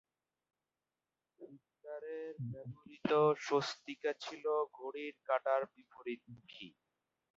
হিটলারের ব্যবহৃত স্বস্তিকা ছিল ঘড়ির কাঁটার বিপরীতমুখী।